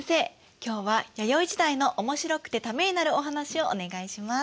今日は弥生時代のおもしろくてためになるお話をお願いします。